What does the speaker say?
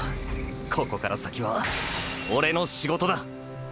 ここから先はオレの仕事だ！！